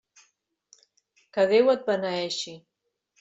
Que Déu et beneeixi!